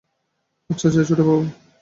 আচ্ছা, যাই ছোটবাবু।